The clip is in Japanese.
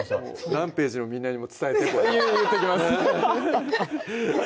ＲＡＭＰＡＧＥのみんなにも伝えて言っときます